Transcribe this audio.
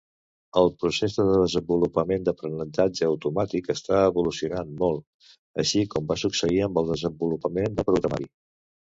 El procés de desenvolupament d'aprenentatge automàtic està evolucionant molt, així com va succeir amb el desenvolupament de programari.